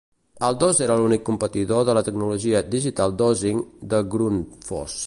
Alldos era l'únic competidor de la tecnologia "Digital Dosing" de Grundfos.